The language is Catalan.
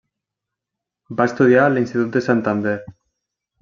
Va estudiar a l'institut de Santander.